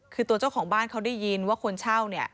คือตัวเจ้าของบ้านเขาได้ยินว่าคนเช่าเนี่ย